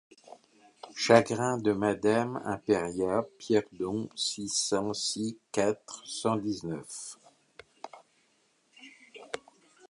Chagrin de madame Impéria Pierdon six cent six quatre cent dix-neuf.